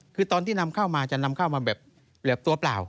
คือตอนที่นำเข้ามาจะนำเข้ามาแบบตัวเปล่า